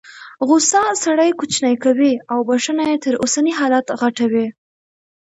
غوسه سړی کوچنی کوي او بخښنه یې تر اوسني حالت غټوي.